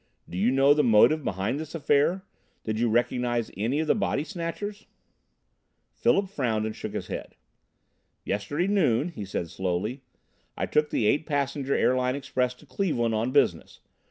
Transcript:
Do you know the motive behind this affair? Did you recognize any of the body snatchers?" Philip frowned and shook his head. "Yesterday noon," he said slowly, "I took the eight passenger Airline Express to Cleveland on business.